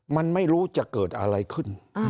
มันไม่รู้จะเกิดอะไรขึ้น